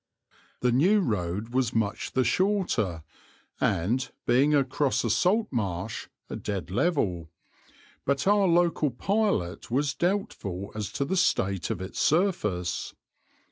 The new road was much the shorter and, being across a salt marsh, a dead level, but our local pilot was doubtful as to the state of its surface.